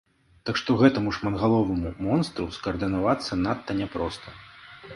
Так што гэтаму шматгаловаму монстру скаардынавацца надта няпроста!